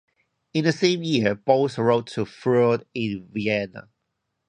In the same year, Bose wrote to Freud in Vienna.